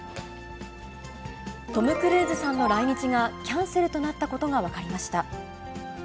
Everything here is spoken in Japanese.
トム・クルーズさんの来日がキャンセルとなったことが分かりました。